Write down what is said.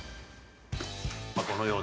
このような。